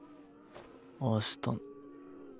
明日。